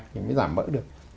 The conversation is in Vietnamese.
thì mới giảm mỡ được